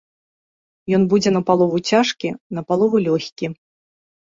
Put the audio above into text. Ён будзе напалову цяжкі, напалову лёгкі.